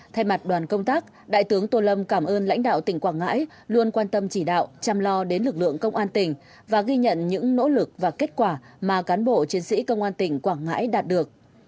thay mặt đoàn công tác đại tướng tô lâm cảm ơn lãnh đạo tỉnh quảng ngãi luôn quan tâm chỉ đạo chăm lo đến lực lượng công an tỉnh và ghi nhận những nỗ lực và kết quả mà cán bộ chiến sĩ công an tỉnh quảng ngãi đạt được